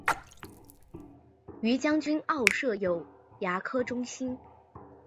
于将军澳设有牙科中心。